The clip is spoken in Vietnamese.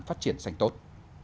phát triển sanh tốt